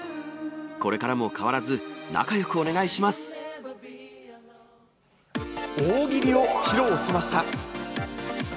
これからも変わらず、大喜利を披露しました。